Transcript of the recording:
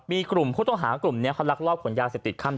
มีกลุ่มผู้ต้องหากลุ่มนี้เขาลักลอบขนยาเสพติดข้าม